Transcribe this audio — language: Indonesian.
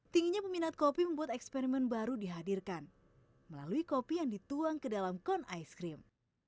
tingginya peminat kopi membuat eksperimen baru dihadirkan melalui kopi yang dituang ke dalam con ice cream